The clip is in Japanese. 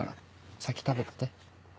先食べてて。